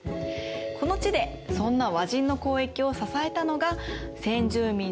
この地でそんな和人の交易を支えたのが先住民のアイヌでした。